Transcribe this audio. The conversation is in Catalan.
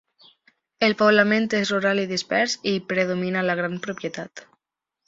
El poblament és rural i dispers, i hi predomina la gran propietat.